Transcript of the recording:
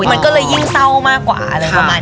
มันก็เลยยิ่งเศร้ามากกว่า